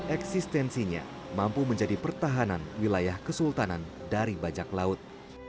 eksistensinya mampu menjadi pertahanan wilayah kesultanan dari bajak laut